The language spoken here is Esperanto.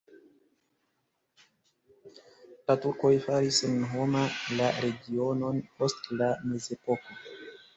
La turkoj faris senhoma la regionon post la mezepoko.